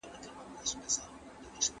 د عايد ويش بايد د ټولنيز عدالت پر بنسټ وي.